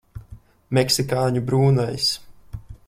Meksikāņu brūnais.